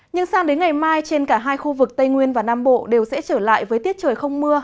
nhưng sang đến ngày mai trên cả hai khu vực tây nguyên và nam bộ đều sẽ trở lại với tiết trời không mưa